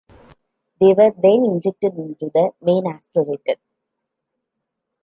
They were then injected into the Main Accelerator.